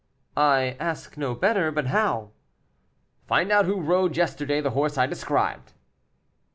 "I ask no better. But how?" "Find out who rode yesterday the horse I described."